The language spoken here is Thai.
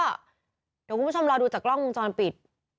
เดี๋ยวคุณผู้ชมรอดูจากกล้องวงจรปิด